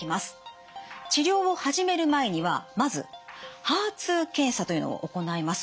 治療を始める前にはまずＨＥＲ２検査というのを行います。